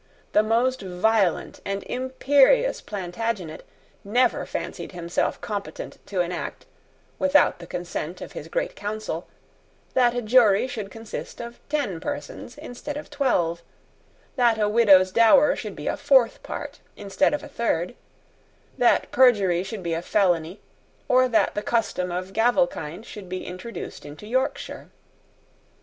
The most violent and imperious Plantagenet never fancied himself competent to enact, without the consent of his great council, that a jury should consist of ten persons instead of twelve, that a widow's dower should be a fourth part instead of a third, that perjury should be a felony, or that the custom of gavelkind should be introduced into Yorkshire.